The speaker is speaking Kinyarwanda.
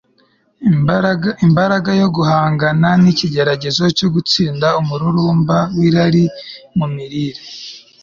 imbaraga yo guhangana n'ikigeragezo cyo gutsinda umururumba w'irari mu mirire